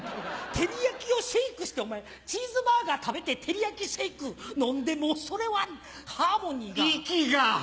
照り焼きをシェイクしてお前チーズバーガー食べて照り焼きシェイク飲んでもうそれはハーモニー。